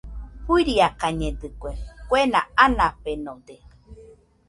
Fuiakañedɨkue, kue anafenode.